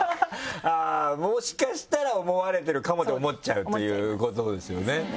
あぁもしかしたら思われてるかもと思っちゃうっていうことですよね。